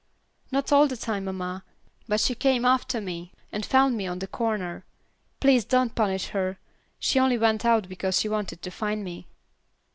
"Not all the time, mamma, but she came after me, and found me on the corner. Please don't punish her. She only went out because she wanted to find me."